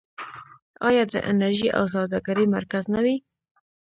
آیا د انرژۍ او سوداګرۍ مرکز نه وي؟